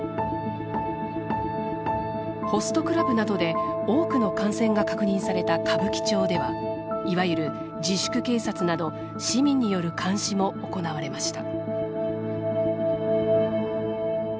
ホストクラブなどで多くの感染が確認された歌舞伎町ではいわゆる自粛警察など市民による監視も行われました。